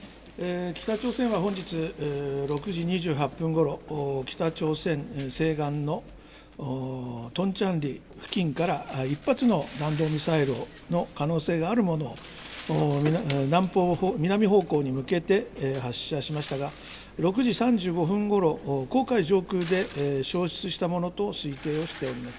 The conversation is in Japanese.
北朝鮮は本日６時２８分ごろ、北朝鮮西岸のトンチャンリ付近から１発の弾道ミサイルの可能性があるものを、南方、南方向へ向けて発射しましたが、６時３５分ごろ、黄海上空で消失したものと推計をしております。